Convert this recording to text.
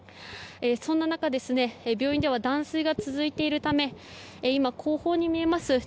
そんな中、病院では断水が続いているため今、後方に見えます